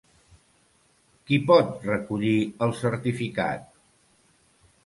Qui pot recollir el certificat?